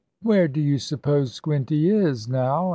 ] "Where do you suppose Squinty is now?"